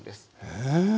へえ。